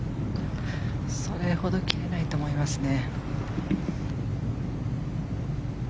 それほど切れないと思いますね。